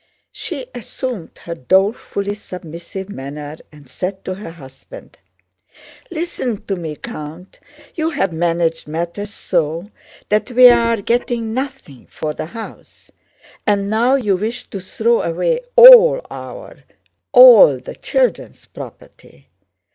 She assumed her dolefully submissive manner and said to her husband: "Listen to me, Count, you have managed matters so that we are getting nothing for the house, and now you wish to throw away all our—all the children's property!